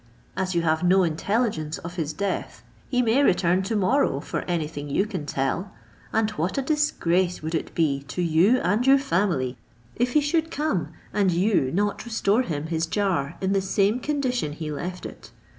As you have no intelligence of his death, he may return to morrow for any thing you can tell: and what a disgrace would it be to you and your family if he should come, and you not restore him his jar in the same condition he left it?